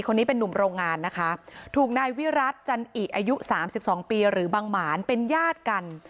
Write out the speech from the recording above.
คนนี้เป็นนุ่มโรงงานนะคะถูกนายวิรัติจันอิอายุสามสิบสองปีหรือบังหมานเป็นญาติกัน